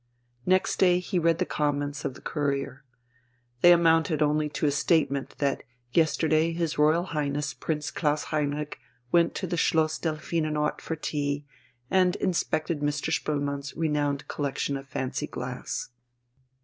Next day he read the comments of the Courier. They amounted only to a statement that yesterday his Royal Highness Prince Klaus Heinrich went to Schloss Delphinenort for tea, and inspected Mr. Spoelmann's renowned collection of fancy glass.